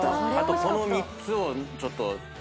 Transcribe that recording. あとこの３つをちょっと。